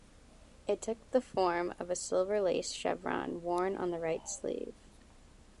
It took the form of a silver lace chevron worn on the right sleeve.